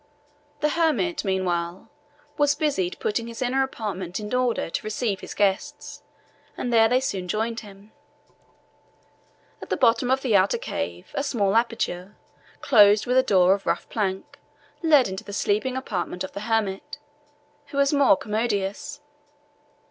The hermit, meanwhile, was busied putting his inner apartment in order to receive his guests, and there they soon joined him. At the bottom of the outer cave, a small aperture, closed with a door of rough plank, led into the sleeping apartment of the hermit, which was more commodious.